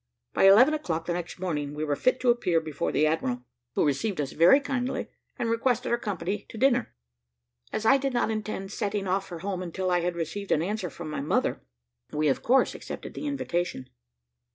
By eleven o'clock the next morning, we were fit to appear before the admiral, who received us very kindly, and requested our company to dinner. As I did not intend setting off for home until I had received an answer from my mother, we, of course, accepted the invitation.